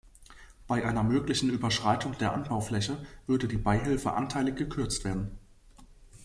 Bei einer möglichen Überschreitung der Anbaufläche würde die Beihilfe anteilig gekürzt werden.